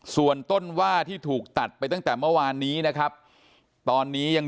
ส่วนต้นว่าที่ถูกตัดไปตั้งแต่เมื่อวานนี้นะครับตอนนี้ยัง